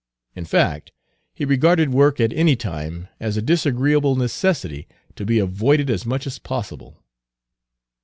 In fact, he regarded work at any time as a disagreeable necessity to be avoided as much as possible.